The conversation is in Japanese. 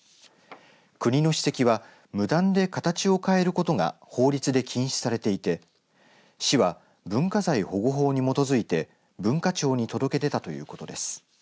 国の史跡は無断で形を変えることが法律で禁止されていて市は、文化財保護法に基づいて文化庁に届け出たということです。